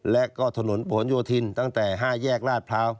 และฝนวนพิโยธินตั้งแต่๕แยกราษพร้าว